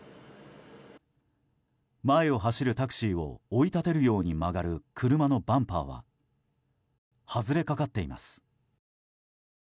前を走るタクシーを追い立てるように曲がる車のバンパーは外れかかっています。